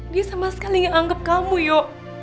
dia sama sekali ngeanggap kamu yo